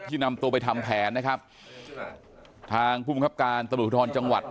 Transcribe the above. ที่นำตัวไปทำแผนนะครับทางผู้บุคคับการตระบุทธรณจังหวัด